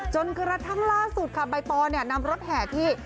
จนกระทั่งล่าสุดค่ะใบปอเนี่ยนำรถแห่ที่